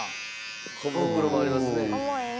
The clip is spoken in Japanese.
小袋もありますね。